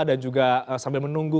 dan juga sambil menunggu